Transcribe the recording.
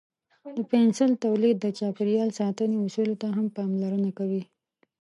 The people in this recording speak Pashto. د پنسل تولید د چاپیریال ساتنې اصولو ته هم پاملرنه کوي.